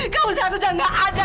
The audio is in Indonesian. kamu seharusnya nggak ada